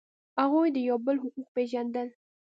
هغوی د یو بل حقوق پیژندل.